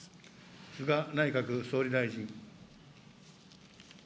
菅内閣総理大臣。